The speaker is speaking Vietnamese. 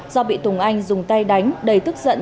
do bị tùng anh dùng tay đánh đầy tức giận